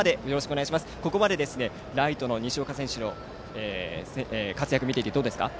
ここまでライトの西岡選手の活躍見ていてどうですか。